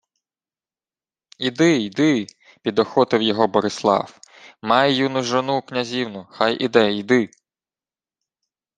— Іди, йди, — підохотив його Борислав. — Має юну жону-князівну, хай іде. Йди...